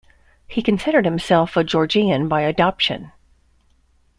He considered himself a Georgian by adoption.